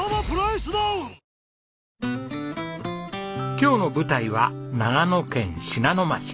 今日の舞台は長野県信濃町。